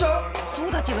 そうだけど。